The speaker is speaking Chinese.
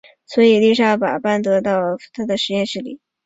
所以丽莎把班德到弗林克教授的实验室。